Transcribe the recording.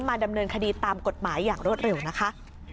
ดำเนินคดีตามกฎหมายอย่างรวดเร็วนะคะ